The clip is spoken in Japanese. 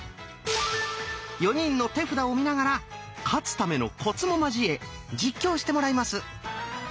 ４人の手札を見ながら「勝つためのコツ」も交え実況してもらいます。